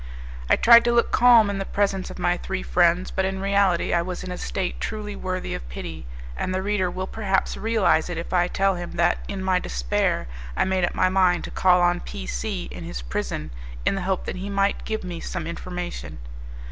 I tried to look calm in the presence of my three friends, but in reality I was in a state truly worthy of pity, and the reader will perhaps realize it if I tell him that in my despair I made up my mind to call on P C in his prison, in the hope that he might give me some information.